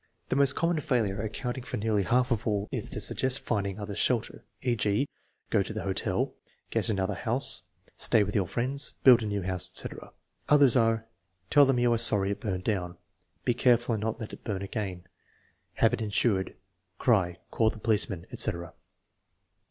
The most common failure, accounting for nearly half of all, is to suggest finding other shelter; e.g., "Go to the hotel," "Get another house," "Stay with your friends," "Build a new house," etc. Others are: "Tell them you are sorry it burned down," "Be careful and not let it burn again," "Have it insured," "Cry," "Call the policeman," etc. TEST NO.